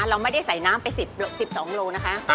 เราไม่ได้ใส่น้ำไป๑๒โลนะคะ